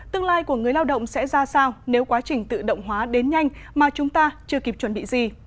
tương lai của người lao động sẽ ra sao nếu quá trình tự động hóa đến nhanh mà chúng ta chưa kịp chuẩn bị gì